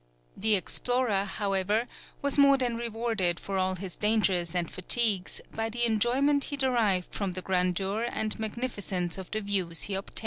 The explorer, however, was more than rewarded for all his dangers and fatigues by the enjoyment he derived from the grandeur and magnificence of the views he obtained.